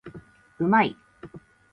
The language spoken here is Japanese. うまい